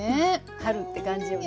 春って感じよね。